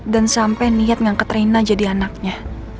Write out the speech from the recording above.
dan sampe niat ngangket rena jadi anaknya